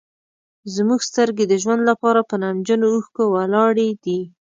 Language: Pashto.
زموږ سترګې د ژوند لپاره په نمجنو اوښکو ولاړې دي.